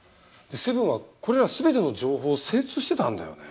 セブンはこれら全ての情報精通してたんだよね。